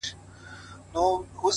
لـكــه دی لـــونــــــگ؛